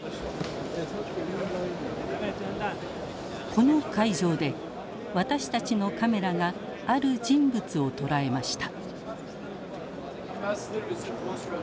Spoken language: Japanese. この会場で私たちのカメラがある人物を捉えました。